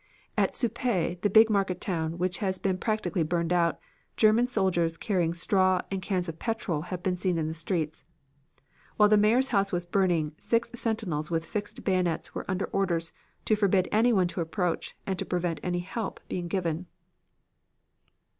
"At Suippes, the big market town which has been practically burned out, German soldiers carrying straw and cans of petrol have been seen in the streets. While the mayor's house was burning, six sentinels with fixed bayonets were under orders to forbid anyone to approach and to prevent any help being given.